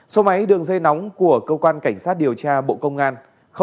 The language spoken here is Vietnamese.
số máy đường dây nóng của cơ quan cảnh sát điều tra bộ công an